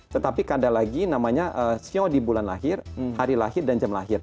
tetapi kadang lagi namanya sio di bulan lahir hari lahir dan jam lahir